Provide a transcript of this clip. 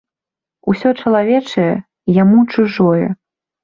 Усё чалавечае яму чужое.